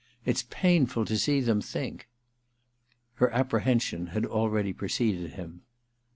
It's painful to see them think.' Her apprehension had already preceded him.